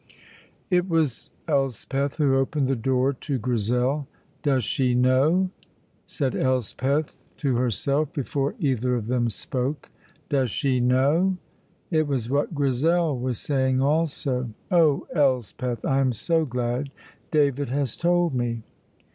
It was Elspeth who opened the door to Grizel. "Does she know?" said Elspeth to herself, before either of them spoke. "Does she know?" It was what Grizel was saying also. "Oh, Elspeth, I am so glad! David has told me."